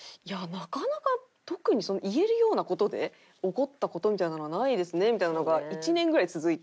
なかなか特に言えるような事で怒った事みたいなのがないですねみたいなのが１年ぐらい続いて。